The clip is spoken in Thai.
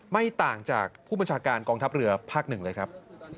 ไม่ต่างจากผู้บัญชาการกองทัพเรือภาคหนึ่งเลยครับ